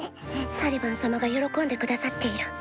サリバン様が喜んで下さっている。